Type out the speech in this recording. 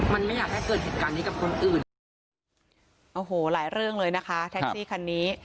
มันไม่อยากให้เกิดเหตุการณ์นี้กับคนอื่นโอ้โหหลายเรื่องเลยนะคะแท็กซี่คันนี้